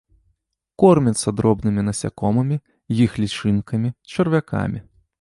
Корміцца дробнымі насякомымі, іх лічынкамі, чарвякамі.